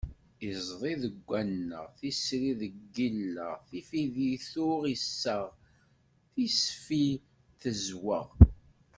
Iẓdi deg waneɣ, tisri deg yileɣ, tifidi tuɣ iseɣ, tisfi d tezweɣ.